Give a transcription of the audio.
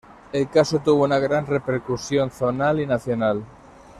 El caso tuvo una gran repercusión zonal y nacional.